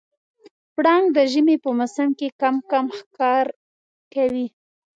پړانګ د ژمي په موسم کې کم ښکار کوي.